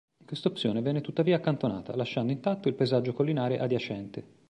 Quest'opzione venne tuttavia accantonata, lasciando intatto il paesaggio collinare adiacente.